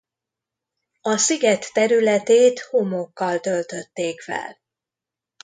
A sziget területét homokkal töltötték fel.